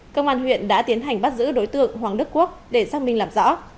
công an huyện đã tiến hành bắt giữ đối tượng hoàng đức quốc để xác minh làm rõ